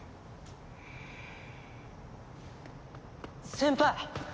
先輩！